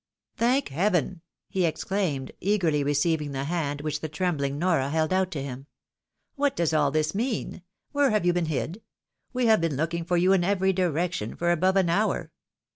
" Thank heaven !" he exclaimed, eagerly receiving the hand whicji the trembhng Nora held out to him. " What does aU this mean? Where have you been hid? We have been looking for you in every direction for above an hour.